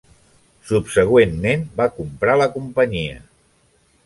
Subsegüentment va comprar la companyia.